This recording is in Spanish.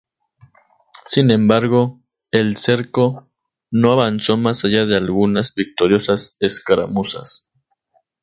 Sin embargo, el cerco no avanzó más allá de algunas victoriosas escaramuzas.